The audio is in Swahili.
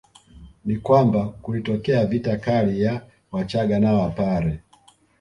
Ni kwamba kulitokea vita kati ya Wachaga na Wapare